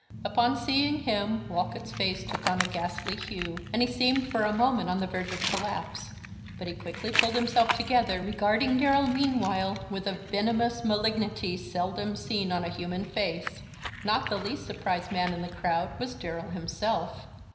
Upon seeing him Walcott's face took on a ghastly hue and he seemed for a moment on the verge of collapse, but he quickly pulled himself together, regarding Darrell meanwhile with a venomous malignity seldom seen on a human face. Not the least surprised man in the crowd was Darrell himself.